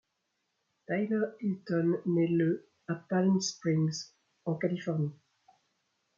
Tyler Hilton naît le à Palm Springs en Californie.